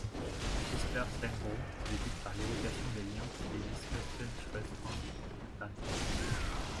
Jesper Svenbro débute par l'évocation des liens qui unissent Östen Sjöstrand à Paris.